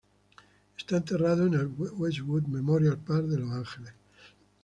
Está enterrado en el Westwood Memorial Park de Los Angeles.